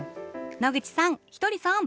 野口さんひとりさん。